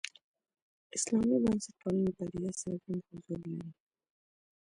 اسلامي بنسټپالنې پدیده څرګند حضور لري.